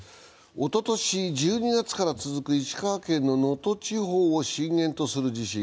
おととし１２月から続く石川県の能登地方を震源とする地震